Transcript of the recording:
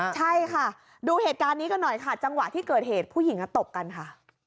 ใช่ค่ะดูเหตุการณ์นี้กันหน่อยค่ะจังหวะที่เกิดเหตุผู้หญิงตบกันค่ะ